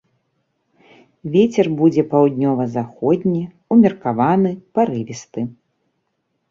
Вецер будзе паўднёва-заходні, умеркаваны, парывісты.